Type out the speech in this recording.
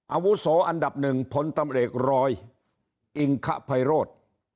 อาวุโสรอันดับหนึ่งพลธรรมอิกรอยอิงคะไพโรท